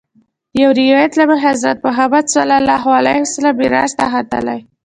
د یوه روایت له مخې حضرت محمد صلی الله علیه وسلم معراج ته ختلی.